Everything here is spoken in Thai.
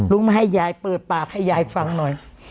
มาให้ยายเปิดปากให้ยายฟังหน่อย